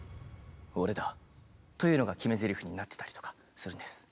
というのが決めぜりふになってたりとかするんです。